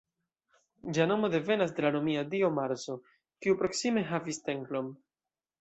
Ĝia nomo devenas de la romia dio Marso, kiu proksime havis templon.